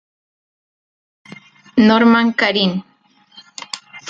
Norman Karin.